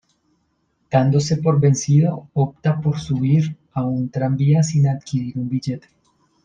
Dándose por vencido, opta por subir a un tranvía sin adquirir un billete.